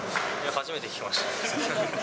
初めて聞きました。